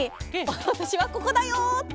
「わたしはここだよ！」って。